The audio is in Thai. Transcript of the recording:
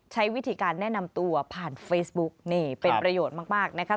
ใช้วิธีการแนะนำตัวผ่านเฟซบุ๊กนี่เป็นประโยชน์มากนะคะ